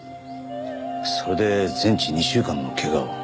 それで全治２週間の怪我を。